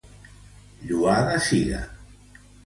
Lloada siga.